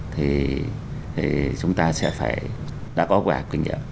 thì chúng ta sẽ phải đã có quả kinh nghiệm